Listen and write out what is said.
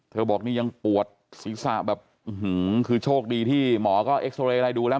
เธอบอกนี่ยังปวดศีรษะแบบอื้อหือคือโชคดีที่หมอก็เอ็กซ์โทรเลย์อะไรดูแล้ว